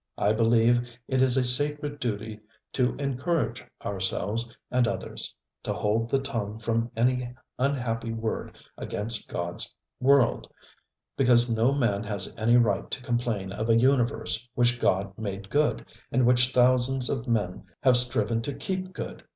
I believe it is a sacred duty to encourage ourselves and others; to hold the tongue from any unhappy word against GodŌĆÖs world, because no man has any right to complain of a universe which God made good, and which thousands of men have striven to keep good.